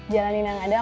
jalanin yang ada